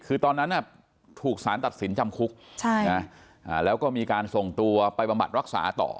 คือตอนนั้นถูกสารตัดสินจำคุกแล้วก็มีการส่งตัวไปบำบัดรักษาต่อ